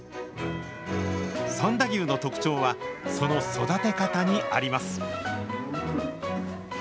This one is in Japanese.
三田牛の特徴は、その育て方にあります。